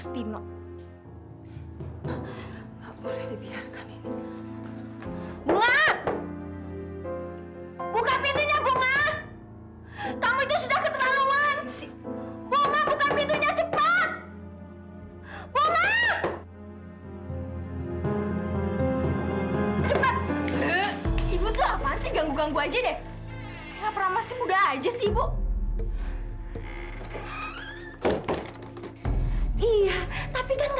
tino sebaiknya kamu pulang